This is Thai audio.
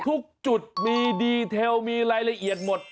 ทุกจุดมีรายละเอียดหมด